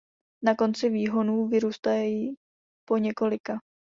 Na konci výhonů vyrůstají po několika.